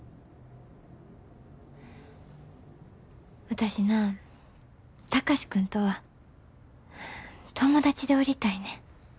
私な貴司君とは友達でおりたいねん。